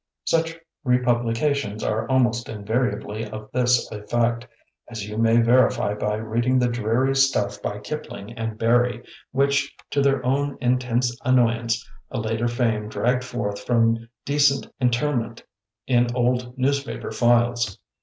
Such republications are almost invariably of this effect, as you may verify by reading the dreary stuff by Kipling and Barrie which, to their own intense annoyance, a later fame dragged forth from decent interment in old newspaper files.